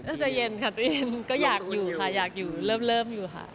น่าจะเย็นก็อยากอยู่ค่ะอยากอยู่เริ่มอยู่ค่ะ